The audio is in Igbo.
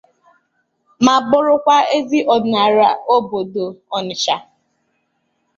ma bụrụkwa eze ọdịnala obodo Ọnịtsha